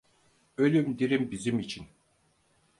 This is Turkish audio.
Ölüm dirim bizim için.